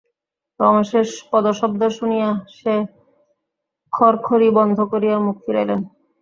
রমেশের পদশব্দ শুনিয়া সে খড়খড়ি বন্ধ করিয়া মুখ ফিরাইল।